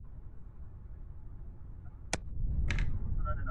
د ژوند معنا ګډوډه کيږي تل.